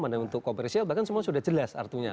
mana untuk kompresial bahkan semua sudah jelas artinya